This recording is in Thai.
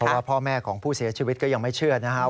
ว่าพ่อแม่ของผู้เสียชีวิตก็ยังไม่เชื่อนะครับ